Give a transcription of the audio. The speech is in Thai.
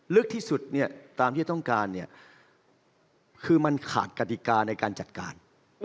ลึกที่สุดเนี่ยตามที่จะต้องการเนี่ยคือมันขาดกฎิกาในการจัดการ